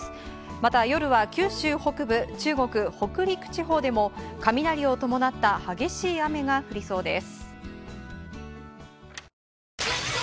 また夜は九州北部、中国、北陸地方でも雷を伴った激しい雨が降りそうです。